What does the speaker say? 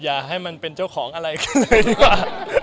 อย่าให้มันเป็นเจ้าของอะไรกันเลยดีกว่า